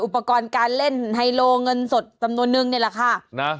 อุปกรณ์การเล่นไฮโลเงินสดจำนวนนึงนี่แหละค่ะนะ